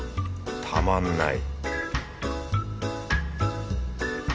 たまんない